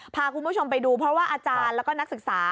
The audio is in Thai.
พาคุณผู้ชมไปดูเพราะว่าอาจารย์แล้วก็นักศึกษา